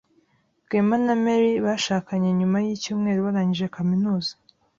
Rwema na Mary bashakanye nyuma yicyumweru barangije kaminuza.